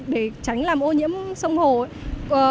để tránh làm ô nhiễm sông hồ